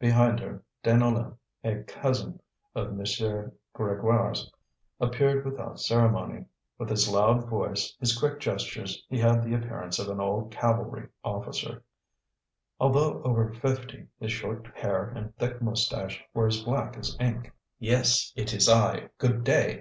Behind her, Deneulin, a cousin of M. Grégoire's, appeared without ceremony; with his loud voice, his quick gestures, he had the appearance of an old cavalry officer. Although over fifty, his short hair and thick moustache were as black as ink. "Yes! It is I. Good day!